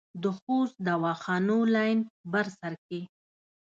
د خوست دواخانو لین بر سر کې